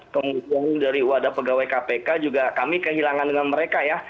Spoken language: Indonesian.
kemudian dari wadah pegawai kpk juga kami kehilangan dengan mereka ya